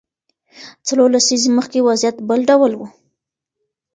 څلور لسیزې مخکې وضعیت بل ډول و.